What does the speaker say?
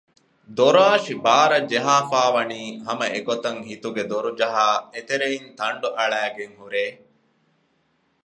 ދޮރޯށި ބާރަށް ޖަހާފައި ވަނީ ހަމަ އެގޮތަށް ހިތުގެ ދޮރުޖަހައި އެތެރެއިން ތަންޑު އަޅައިގެން ހުރޭ